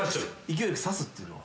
勢いよくさすっていうのは？